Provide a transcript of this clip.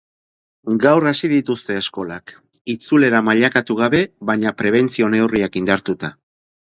Gaur hasi dituzte eskolak, itzulera mailakatu gabe baina prebentzio-neurriak indartuta.